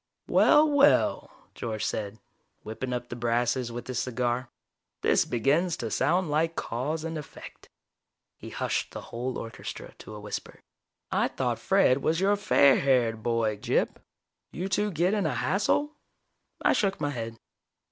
"Well, well," George said, whipping up the brasses with his cigar. "This begins to sound like cause and effect." He hushed the whole orchestra to a whisper. "I thought Fred was your fair haired boy, Gyp. You two get in a hassle?" I shook my head.